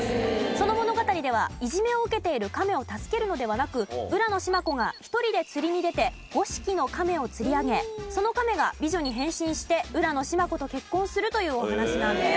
その物語ではいじめを受けている亀を助けるのではなく浦島子が１人で釣りに出て五色の亀を釣り上げその亀が美女に変身して浦島子と結婚するというお話なんです。